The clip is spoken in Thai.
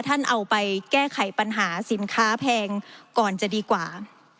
ท่านเอาไปแก้ไขปัญหาสินค้าแพงก่อนจะดีกว่า